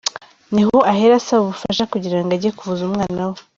Niho ahera asaba ubufasha kugira ngo ajye kuvuza umwana we.